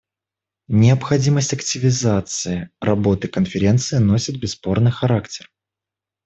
Необходимость активизации работы Конференции носит бесспорный характер.